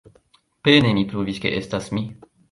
Pene mi pruvis ke estas mi.